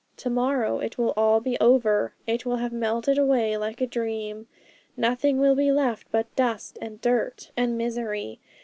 To morrow it will all be over; it will have melted away like a dream. Nothing will be left but dust, and dirt, and misery.